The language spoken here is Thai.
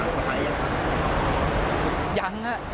ซ้ายทั้งสงสาร